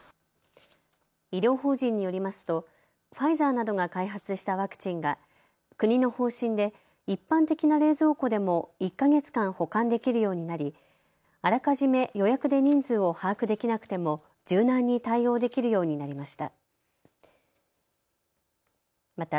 医療法人によりますとファイザーなどが開発したワクチンが国の方針で一般的な冷蔵庫でも１か月間、保管できるようになりあらかじめ予約で人数を把握できなくても柔軟に対応できるようになりました。